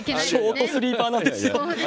ショートスリーパーなんですよ。